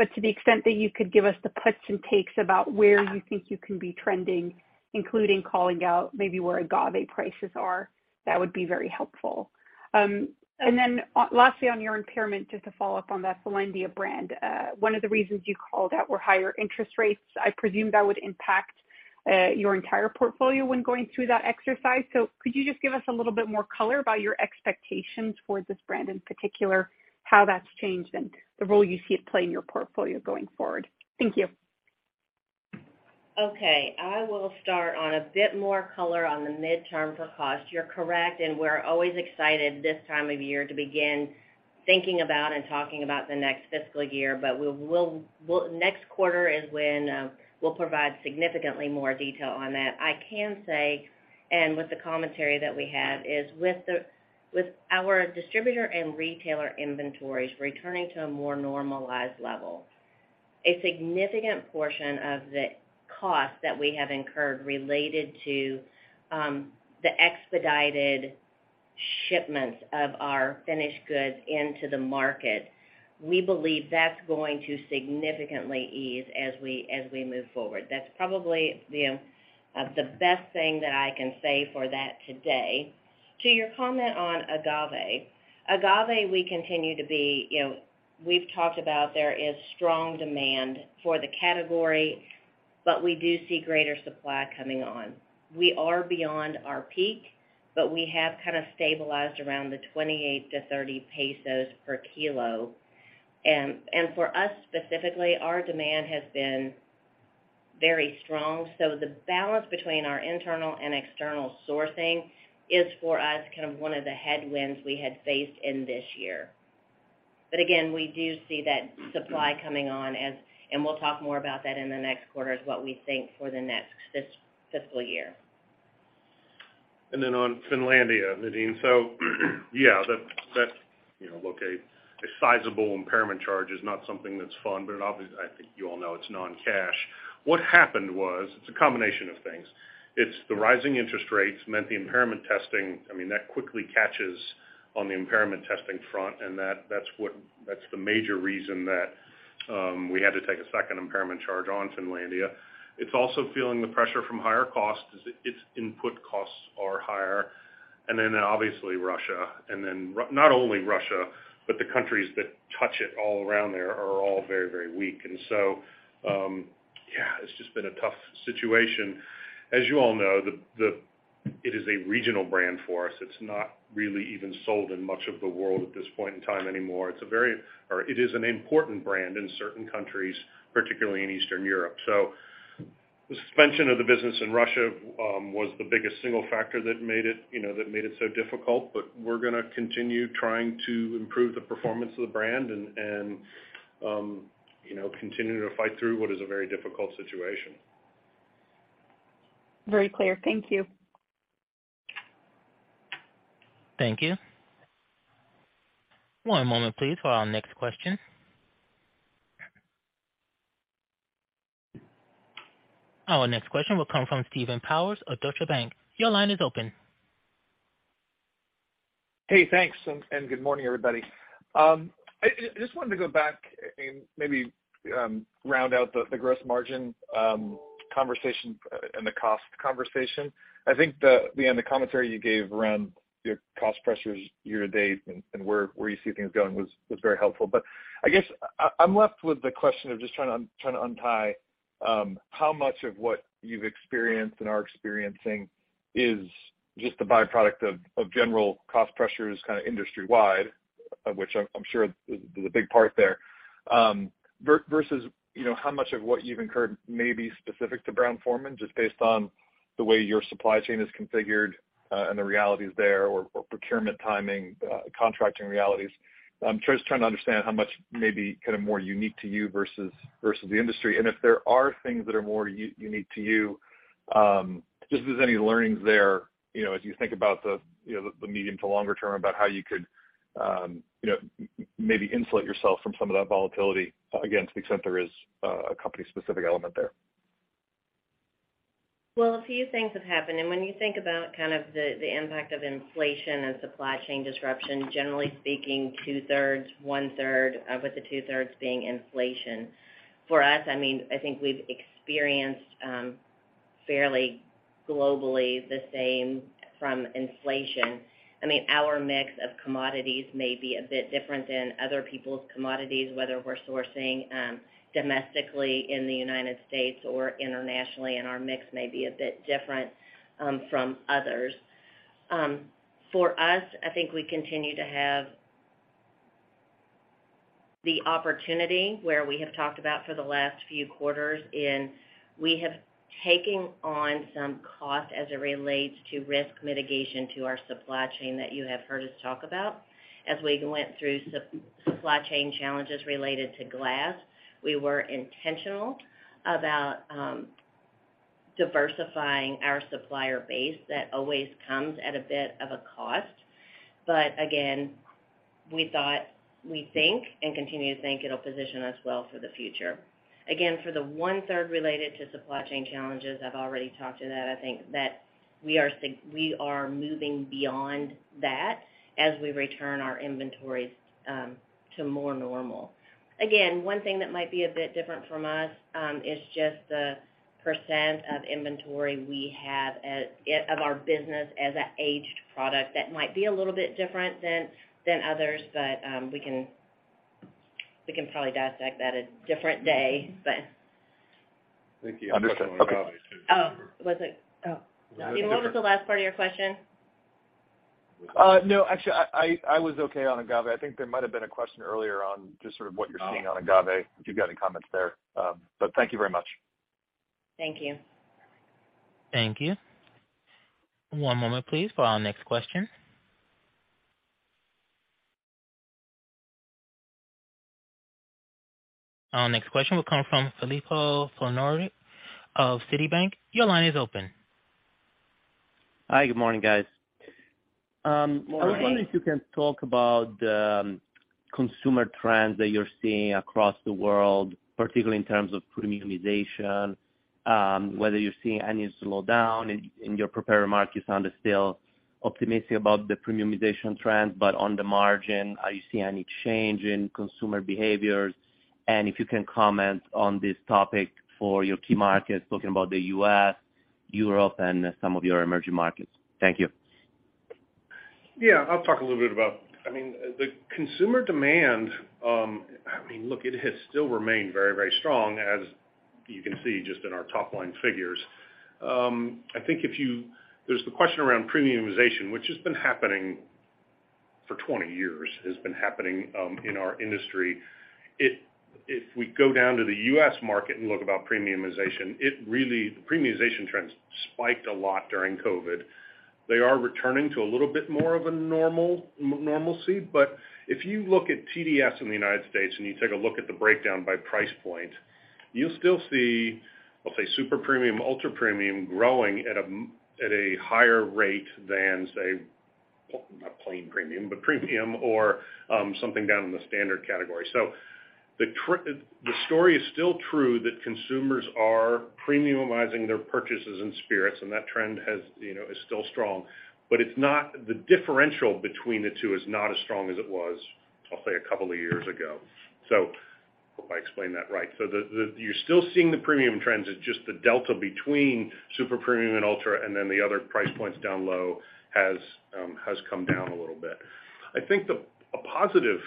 but to the extent that you could give us the puts and takes about where you think you can be trending, including calling out maybe where agave prices are, that would be very helpful. Lastly, on your impairment, just to follow up on that Finlandia brand, one of the reasons you called out were higher interest rates. I presumed that would impact your entire portfolio when going through that exercise. Could you just give us a little bit more color about your expectations for this brand, in particular, how that's changed and the role you see it play in your portfolio going forward? Thank you. Okay. I will start on a bit more color on the midterm for cost. You're correct, we're always excited this time of year to begin thinking about and talking about the next fiscal year, but we'll next quarter is when we'll provide significantly more detail on that. I can say, with the commentary that we have, is with our distributor and retailer inventories returning to a more normalized level, a significant portion of the cost that we have incurred related to the expedited shipments of our finished goods into the market, we believe that's going to significantly ease as we, as we move forward. That's probably the best thing that I can say for that today. To your comment on agave. Agave, we continue to be, you know, we've talked about there is strong demand for the category, but we do see greater supply coming on. We are beyond our peak, but we have kind of stabilized around the 28 -30 pesos per kilo. For us specifically, our demand has been very strong. The balance between our internal and external sourcing is for us, kind of one of the headwinds we had faced in this year. Again, we do see that supply coming on, and we'll talk more about that in the next quarter as what we think for the next fiscal year. On Finlandia, Nadine. Yeah, that, you know, look, a sizable impairment charge is not something that's fun, but obviously, I think you all know it's non-cash. What happened was, it's a combination of things. It's the rising interest rates meant the impairment testing, I mean, that quickly catches on the impairment testing front, and that's the major reason that we had to take a second impairment charge on Finlandia. It's also feeling the pressure from higher costs 'cause its input costs are higher. Obviously Russia, and then not only Russia, but the countries that touch it all around there are all very, very weak. Yeah, it's just been a tough situation. As you all know, it is a regional brand for us. It's not really even sold in much of the world at this point in time anymore. It's a very Or it is an important brand in certain countries, particularly in Eastern Europe. The suspension of the business in Russia was the biggest single factor that made it, you know, that made it so difficult. We're gonna continue trying to improve the performance of the brand and, you know, continue to fight through what is a very difficult situation. Very clear. Thank you. Thank you. One moment please, for our next question. Our next question will come from Stephen Powers of Deutsche Bank. Your line is open. Thanks, and good morning, everybody. I just wanted to go back and maybe round out the gross margin conversation and the cost conversation. I think you know, the commentary you gave around your cost pressures year to date and where you see things going was very helpful. I guess I'm left with the question of just trying to untie how much of what you've experienced and are experiencing is just a byproduct of general cost pressures, kind of industry-wide, of which I'm sure is a big part there, versus you know, how much of what you've incurred may be specific to Brown-Forman, just based on the way your supply chain is configured, and the realities there or procurement timing, contracting realities. I'm just trying to understand how much may be kind of more unique to you versus the industry. If there are things that are more unique to you, just if there's any learnings there, you know, as you think about the, you know, the medium to longer term about how you could, maybe insulate yourself from some of that volatility, again, to the extent there is a company specific element there. Well, a few things have happened. When you think about the impact of inflation and supply chain disruption, generally speaking, two-thirds, one-third, with the two-thirds being inflation. For us, I think we've experienced fairly globally the same from inflation. Our mix of commodities may be a bit different than other people's commodities, whether we're sourcing domestically in the U.S. or internationally, and our mix may be a bit different from others. For us, I think we continue to have the opportunity where we have talked about for the last few quarters in, we have taken on some cost as it relates to risk mitigation to our supply chain that you have heard us talk about. As we went through supply chain challenges related to glass, we were intentional about diversifying our supplier base. That always comes at a bit of a cost. Again, we thought, we think and continue to think it'll position us well for the future. Again, for the one-third related to supply chain challenges, I've already talked to that. I think that we are moving beyond that as we return our inventories to more normal. Again, one thing that might be a bit different from us is just the percent of inventory we have of our business as an aged product that might be a little bit different than others. We can probably dissect that a different day. Thank you. Understood. Okay. What's it? No. What was the last part of your question? No, actually, I was okay on agave. I think there might have been a question earlier on just sort of what you're seeing on agave, if you've got any comments there. Thank you very much. Thank you. Thank you. One moment please for our next question. Our next question will come from Filippo Falorni of Citibank. Your line is open. Hi, good morning, guys. Good morning. I was wondering if you can talk about consumer trends that you're seeing across the world, particularly in terms of premiumization, whether you're seeing any slowdown. In your prepared remarks, you sound still optimistic about the premiumization trend, but on the margin, are you seeing any change in consumer behaviors? If you can comment on this topic for your key markets, talking about the U.S., Europe, and some of your emerging markets. Thank you. Yeah. I'll talk a little bit about I mean, the consumer demand, I mean, look, it has still remained very, very strong, as you can see just in our top line figures. I think There's the question around premiumization, which has been happening for 20 years in our industry. If we go down to the U.S. market and look about premiumization, it really, the premiumization trends spiked a lot during COVID-19. They are returning to a little bit more of a normal, normalcy. If you look at TDS in the United States and you take a look at the breakdown by price point, you'll still see, I'll say super premium, ultra premium growing at a higher rate than, say, not plain premium, but premium or something down in the standard category. The story is still true that consumers are premiumizing their purchases in spirits, and that trend has, you know, is still strong. It's not, the differential between the two is not as strong as it was, I'll say, a couple of years ago. Hope I explained that right. You're still seeing the premium trends. It's just the delta between super premium and ultra, and then the other price points down low has come down a little bit. I think the, a positive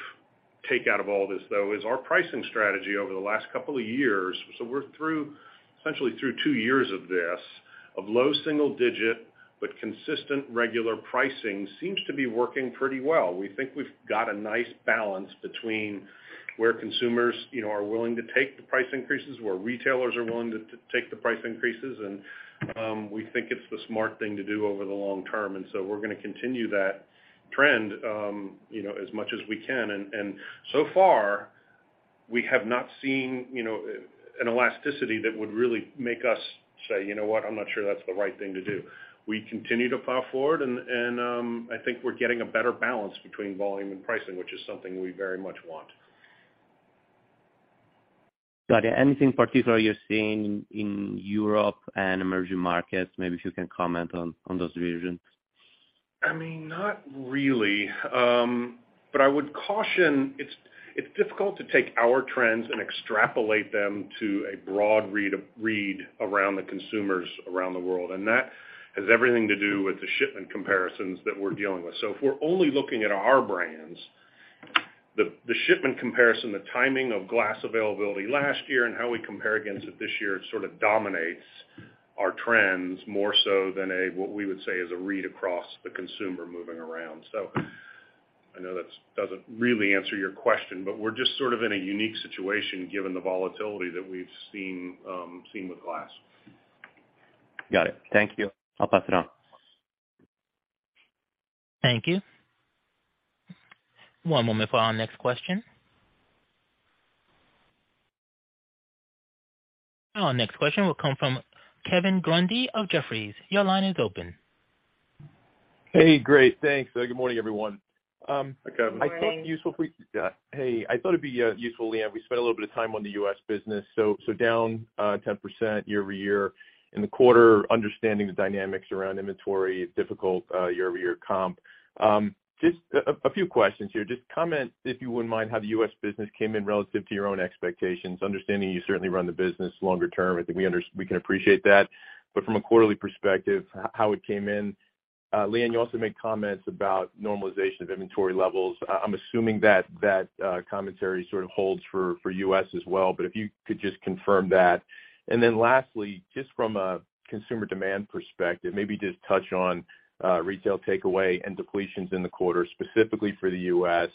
take out of all this, though, is our pricing strategy over the last couple of years. We're through, essentially through two years of this. Of low single digit, but consistent regular pricing seems to be working pretty well. We think we've got a nice balance between where consumers, you know, are willing to take the price increases, where retailers are willing to take the price increases. We think it's the smart thing to do over the long term. We're gonna continue that trend, you know, as much as we can. So far, we have not seen, you know, an elasticity that would really make us say, "You know what? I'm not sure that's the right thing to do." We continue to plow forward and I think we're getting a better balance between volume and pricing, which is something we very much want. Got you. Anything particular you're seeing in Europe and emerging markets, maybe if you can comment on those regions? I mean, not really. I would caution, it's difficult to take our trends and extrapolate them to a broad read around the consumers around the world. That has everything to do with the shipment comparisons that we're dealing with. If we're only looking at our brands, the shipment comparison, the timing of glass availability last year and how we compare against it this year sort of dominates our trends more so than a, what we would say is a read across the consumer moving around. I know that's, doesn't really answer your question, but we're just sort of in a unique situation given the volatility that we've seen with glass. Got it. Thank you. I'll pass it on. Thank you. One moment for our next question. Our next question will come from Kevin Grundy of Jefferies. Your line is open. Hey. Great. Thanks. Good morning, everyone. Hi, Kevin. Good morning. I thought it'd be useful, Leanne, if we spent a little bit of time on the U.S. business. down 10% year-over-year. In the quarter, understanding the dynamics around inventory is difficult, year-over-year comp. Just a few questions here. Just comment, if you wouldn't mind, how the U.S. business came in relative to your own expectations. Understanding you certainly run the business longer term, I think we can appreciate that. From a quarterly perspective, how it came in. Leanne, you also made comments about normalization of inventory levels. I'm assuming that commentary sort of holds for U.S. as well, if you could just confirm that. Lastly, just from a consumer demand perspective, maybe just touch on retail takeaway and depletions in the quarter, specifically for the U.S.,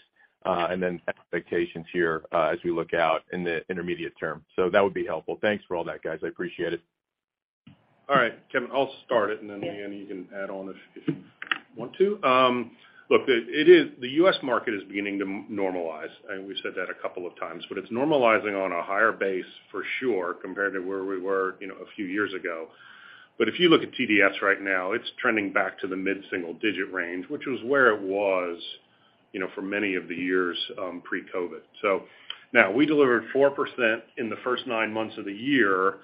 and then expectations here as we look out in the intermediate term. That would be helpful. Thanks for all that, guys. I appreciate it. All right, Kevin, I'll start it, and then, Leanne, you can add on if you want to. Look, the U.S. market is beginning to normalize, and we said that a couple of times, but it's normalizing on a higher base for sure compared to where we were, you know, a few years ago. If you look at TDS right now, it's trending back to the mid-single digit range, which was where it was, you know, for many of the years, pre-COVID-19. Now we delivered 4% in the first nine months of the year.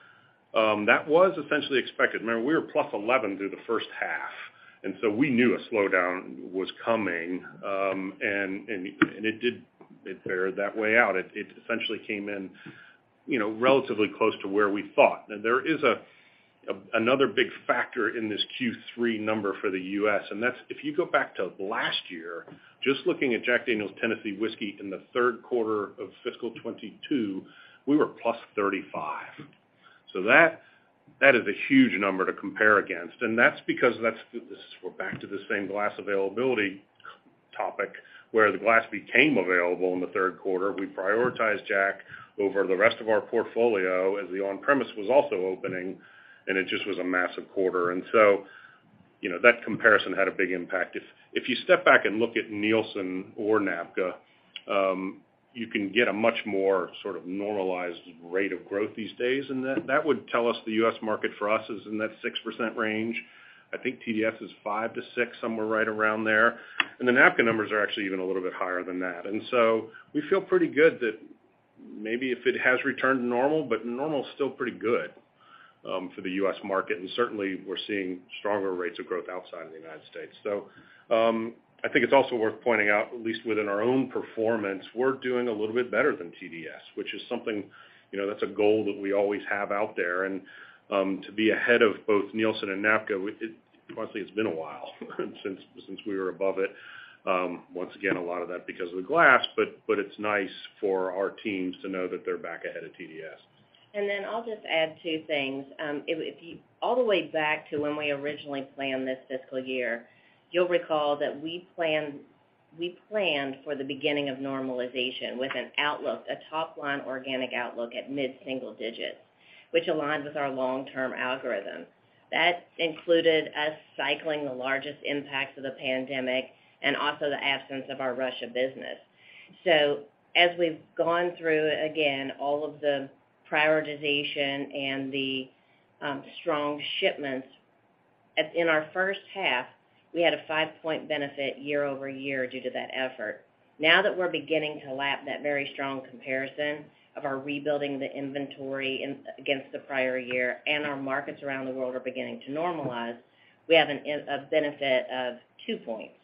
That was essentially expected. Remember, we were +11 through the first half, we knew a slowdown was coming, and it bear that way out. It essentially came in, you know, relatively close to where we thought. There is another big factor in this Q3 number for the U.S., that's if you go back to last year, just looking at Jack Daniel's Tennessee Whiskey in the third quarter of fiscal 2022, we were +35%. That is a huge number to compare against, and that's because that's the we're back to the same glass availability topic where the glass became available in the third quarter. We prioritized Jack over the rest of our portfolio as the on-premise was also opening, and it just was a massive quarter. You know, that comparison had a big impact. If you step back and look at Nielsen or NABCA, you can get a much more sort of normalized rate of growth these days, and that would tell us the U.S. market for us is in that 6% range. I think TDS is 5%-6%, somewhere right around there. The NABCA numbers are actually even a little bit higher than that. We feel pretty good that maybe if it has returned to normal, but normal is still pretty good for the U.S. market, and certainly we're seeing stronger rates of growth outside of the United States. I think it's also worth pointing out, at least within our own performance, we're doing a little bit better than TDS, which is something, you know, that's a goal that we always have out there. To be ahead of both Nielsen and NABCA, frankly, it's been a while since we were above it. Once again, a lot of that because of the glass, but it's nice for our teams to know that they're back ahead of TDS. I'll just add two things. All the way back to when we originally planned this fiscal year, you'll recall that we planned for the beginning of normalization with an outlook, a top-line organic outlook at mid-single digits, which aligns with our long-term algorithm. That included us cycling the largest impacts of the pandemic and also the absence of our Russia business. As we've gone through, again, all of the prioritization and the strong shipments, as in our first half, we had a 5-point benefit year-over-year due to that effort. Now that we're beginning to lap that very strong comparison of our rebuilding the inventory against the prior year and our markets around the world are beginning to normalize, we have a benefit of 2 points.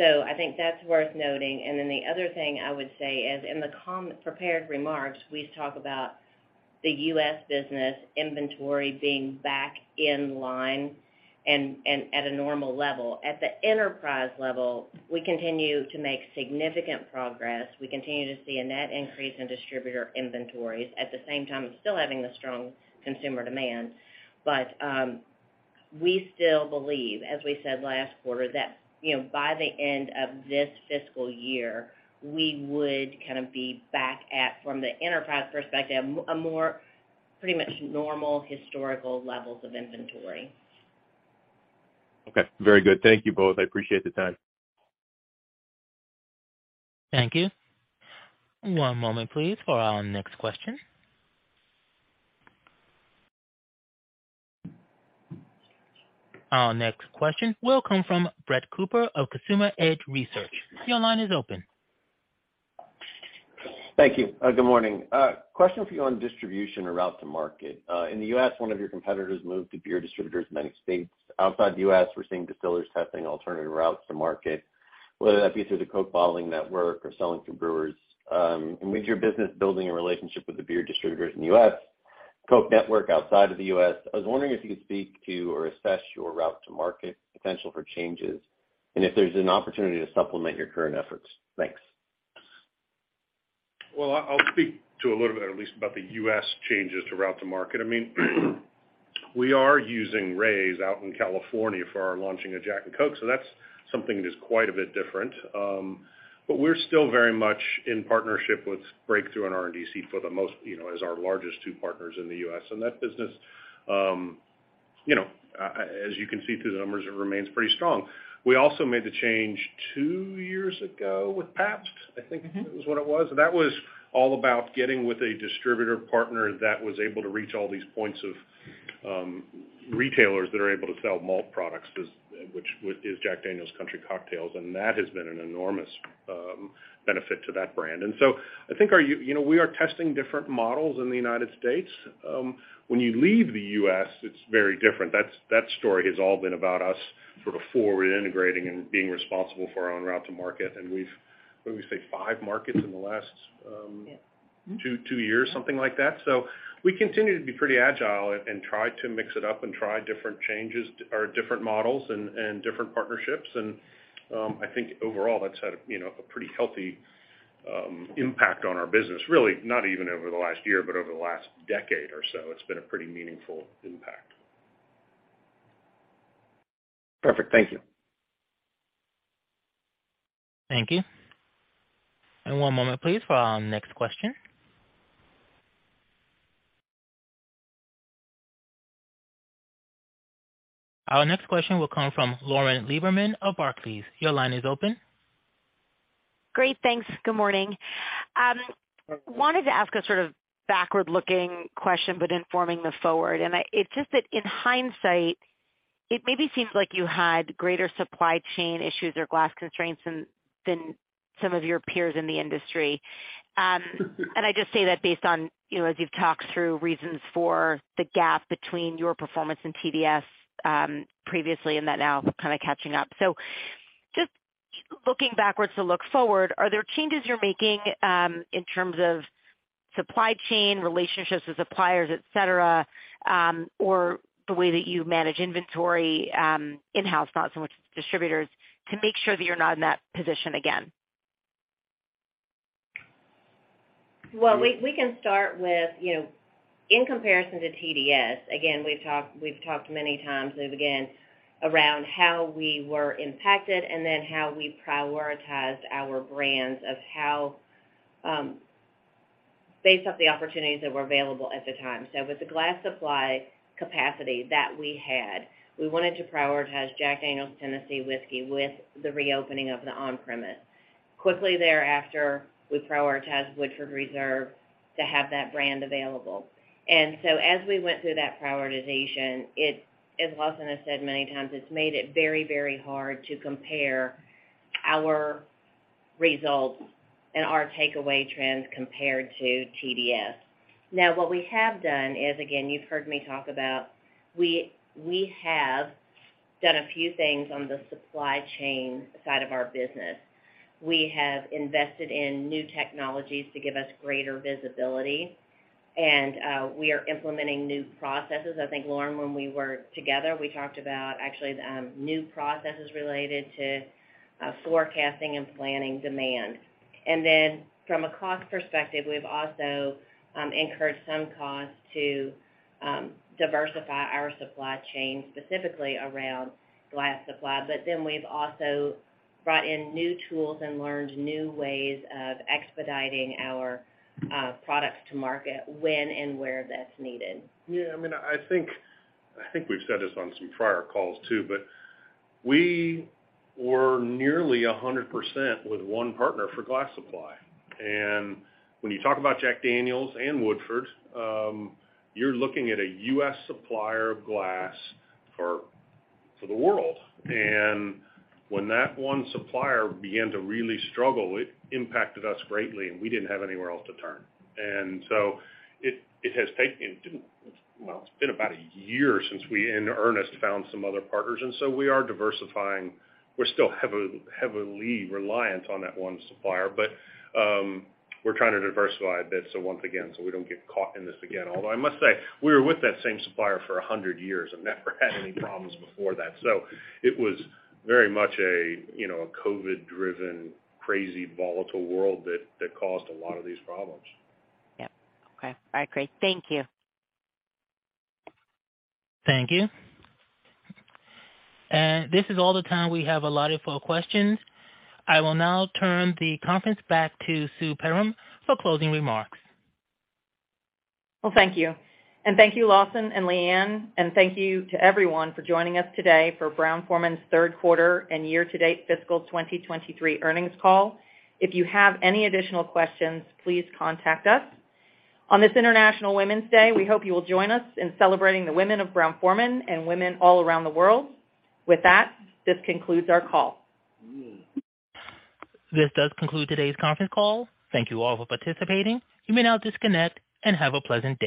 I think that's worth noting. The other thing I would say is in the prepared remarks, we talk about the U.S. business inventory being back in line and at a normal level. At the enterprise level, we continue to make significant progress. We continue to see a net increase in distributor inventories. At the same time, we're still having the strong consumer demand. We still believe, as we said last quarter, that, you know, by the end of this fiscal year, we would kind of be back at, from the enterprise perspective, a more pretty much normal historical levels of inventory. Okay. Very good. Thank you both. I appreciate the time. Thank you. One moment, please, for our next question. Our next question will come from Brett Cooper of Consumer Edge Research. Your line is open. Thank you. Good morning. Question for you on distribution or route to market. In the U.S., one of your competitors moved to beer distributors in many states. Outside the U.S., we're seeing distillers testing alternative routes to market, whether that be through the Coke bottling network or selling to brewers. With your business building a relationship with the beer distributors in the U.S., Coke network outside of the U.S., I was wondering if you could speak to or assess your route to market potential for changes, and if there's an opportunity to supplement your current efforts. Thanks. Well, I'll speak to a little bit at least about the U.S. changes to route to market. I mean, we are using Reyes out in California for our launching of Jack and Coke, so that's something that is quite a bit different. We're still very much in partnership with Breakthru and RNDC for the most, you know, as our largest two partners in the U.S. That business, you know, as you can see through the numbers, it remains pretty strong. We also made the change two years ago with Pabst, I think- Mm-hmm. -is what it was. That was all about getting with a distributor partner that was able to reach all these points of, retailers that are able to sell malt products, which is Jack Daniel's Country Cocktails, and that has been an enormous benefit to that brand. I think our you know, we are testing different models in the United States. When you leave the U.S., it's very different. That story has all been about us sort of forward integrating and being responsible for our own route to market. What did we say? Five markets in the last- Yeah. Mm-hmm. Two years, something like that. We continue to be pretty agile and try to mix it up and try different changes or different models and different partnerships. I think overall, that's had a, you know, a pretty healthy impact on our business, really not even over the last year, but over the last decade or so. It's been a pretty meaningful impact. Perfect. Thank you. Thank you. One moment please for our next question. Our next question will come from Lauren Lieberman of Barclays. Your line is open. Great, thanks. Good morning. Wanted to ask a sort of backward-looking question, but informing the forward, and it's just that in hindsight, it maybe seems like you had greater supply chain issues or glass constraints than some of your peers in the industry. I just say that based on, you know, as you've talked through reasons for the gap between your performance and TDS, previously and that now kind of catching up. Just looking backwards to look forward, are there changes you're making, in terms of supply chain relationships with suppliers, et cetera, or the way that you manage inventory, in-house, not so much distributors, to make sure that you're not in that position again? Well, we can start with, you know, in comparison to TDS, again, we've talked many times, we began around how we were impacted and then how we prioritized our brands of how based off the opportunities that were available at the time. With the glass supply capacity that we had, we wanted to prioritize Jack Daniel's Tennessee Whiskey with the reopening of the on-premise. Quickly thereafter, we prioritized Woodford Reserve to have that brand available. As we went through that prioritization, as Lawson has said many times, it's made it very, very hard to compare our results and our takeaway trends compared to TDS. Now, what we have done is, again, you've heard me talk about we have done a few things on the supply chain side of our business. We have invested in new technologies to give us greater visibility, and we are implementing new processes. I think, Lauren, when we were together, we talked about actually new processes related to forecasting and planning demand. From a cost perspective, we've also incurred some costs to diversify our supply chain, specifically around glass supply. We've also brought in new tools and learned new ways of expediting our products to market when and where that's needed. Yeah. I mean, I think we've said this on some prior calls too, but we were nearly 100% with one partner for glass supply. When you talk about Jack Daniel's and Woodford, you're looking at a U.S. supplier of glass for the world. When that one supplier began to really struggle, it impacted us greatly, and we didn't have anywhere else to turn. It's been about a year since we, in earnest, found some other partners, so we are diversifying. We're still heavily reliant on that one supplier, but we're trying to diversify a bit, so once again, so we don't get caught in this again. Although I must say, we were with that same supplier for 100 years and never had any problems before that. It was very much a, you know, a COVID driven, crazy, volatile world that caused a lot of these problems. Yep. Okay. All right, great. Thank you. Thank you. This is all the time we have allotted for questions. I will now turn the conference back to Sue Perram for closing remarks. Well, thank you. Thank you, Lawson and Leanne, and thank you to everyone for joining us today for Brown-Forman's Third Quarter and Year-To-Date Fiscal 2023 Earnings Call. If you have any additional questions, please contact us. On this International Women's Day, we hope you will join us in celebrating the women of Brown-Forman and women all around the world. With that, this concludes our call. This does conclude today's conference call. Thank you all for participating. You may now disconnect and have a pleasant day.